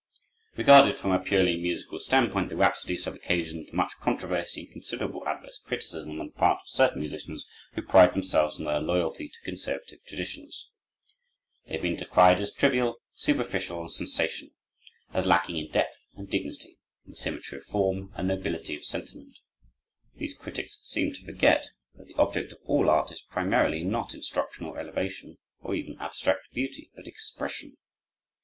Regarded from a purely musical standpoint, the Rhapsodies have occasioned much controversy and considerable adverse criticism on the part of certain musicians who pride themselves on their loyalty to conservative traditions. They have been decried as trivial, superficial, and sensational; as lacking in depth and dignity, in symmetry of form and nobility of sentiment. These critics seem to forget that the object of all art is primarily, not instruction or elevation, or even abstract beauty, but expression.